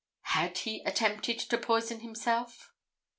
'Had he attempted to poison himself?'